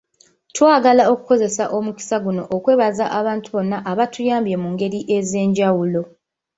Twagala okukozesa omukisa guno okwebaza abantu bonna abatuyambye mu ngeri ez’enjawulo.